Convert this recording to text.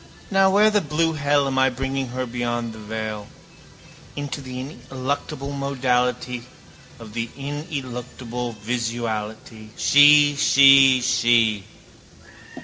Now where the blue hell am I bringing her beyond the veil? Into the ineluctable modality of the ineluctable visuality. She, she, she.